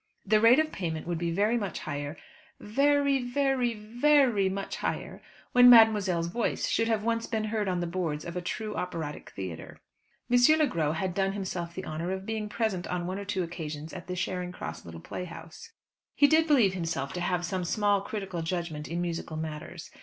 The rate of payment would be very much higher, ve ry, ve ry, ve ry much higher when mademoiselle's voice should have once been heard on the boards of a true operatic theatre. M. Le Gros had done himself the honour of being present on one or two occasions at the Charing Cross little playhouse. He did believe himself to have some small critical judgment in musical matters.